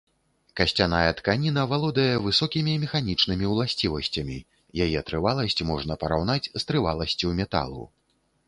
Касцяная тканіна валодае высокімі механічнымі ўласцівасцямі, яе трываласць можна параўнаць з трываласцю металу.